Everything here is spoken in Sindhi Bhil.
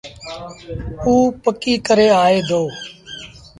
اُ پڪيٚ ڪري آئي دو۔